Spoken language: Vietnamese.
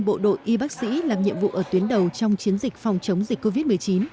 bộ đội y bác sĩ làm nhiệm vụ ở tuyến đầu trong chiến dịch phòng chống dịch covid một mươi chín